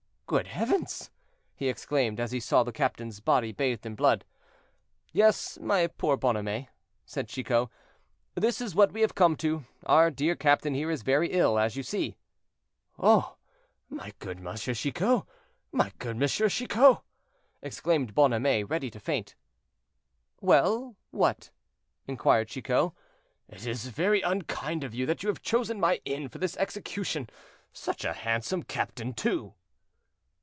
"Good heavens!" he exclaimed, as he saw the captain's body bathed in blood. "Yes, my poor Bonhomet," said Chicot; "this is what we have come to; our dear captain here is very ill, as you see." "Oh! my good Monsieur Chicot, my good Monsieur Chicot!" exclaimed Bonhomet, ready to faint. "Well, what?" inquired Chicot. "It is very unkind of you to have chosen my inn for this execution; such a handsome captain, too!"